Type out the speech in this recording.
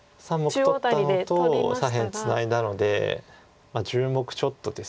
３目取ったのと左辺ツナいだので１０目ちょっとです。